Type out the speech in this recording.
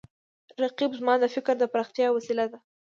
رقیب زما د فکر د پراختیا وسیله ده